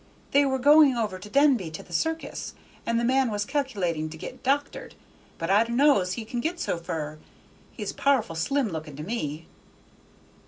They were goin' over to Denby to the circus, and the man was calc'lating to get doctored, but I d' know's he can get so fur; he's powerful slim looking to me."